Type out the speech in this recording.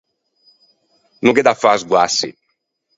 No gh’é da fâ sguassi.